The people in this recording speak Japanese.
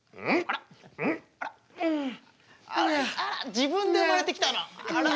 自分で生まれてきたな。